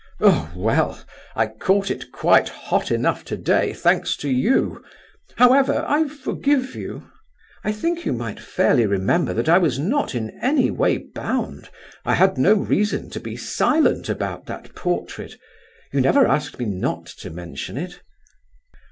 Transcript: "Oh well; I caught it quite hot enough today, thanks to you. However, I forgive you." "I think you might fairly remember that I was not in any way bound, I had no reason to be silent about that portrait. You never asked me not to mention it."